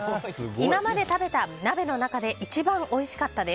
今まで食べた鍋の中で一番、おいしかったです。